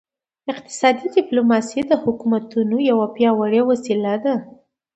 اقتصادي ډیپلوماسي د حکومتونو یوه پیاوړې وسیله ده